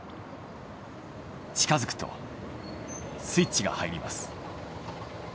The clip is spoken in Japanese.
近づくとスイッチが入ります。